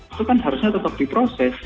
itu kan harusnya tetap diproses